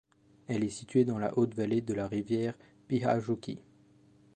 Elle est située dans la haute vallée de la rivière Pyhäjoki.